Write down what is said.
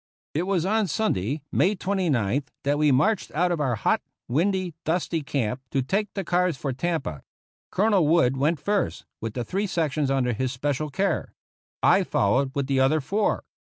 It was on Sunday, May 29th, that we marched out of our hot, windy, dusty camp to take the cars for Tampa. Colonel Wood went first, with the three sections under his special care. I fol lowed with the other four.